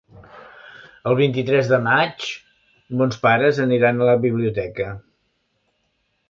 El vint-i-tres de maig mons pares aniran a la biblioteca.